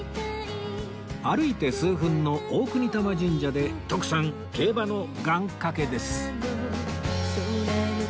歩いて数分の大國魂神社で徳さん競馬の願掛けです